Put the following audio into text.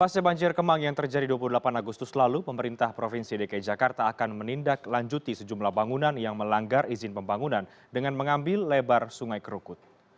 pasca banjir kemang yang terjadi dua puluh delapan agustus lalu pemerintah provinsi dki jakarta akan menindaklanjuti sejumlah bangunan yang melanggar izin pembangunan dengan mengambil lebar sungai kerukut